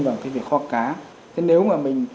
vào cái việc kho cá thế nếu mà mình